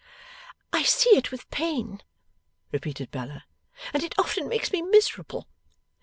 'I see it with pain,' repeated Bella, 'and it often makes me miserable.